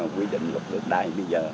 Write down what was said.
quy định lục lực đài bây giờ